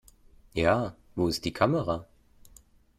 Ja, wo ist die Kamera?